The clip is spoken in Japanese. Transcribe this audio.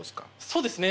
そうですね。